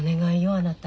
あなた。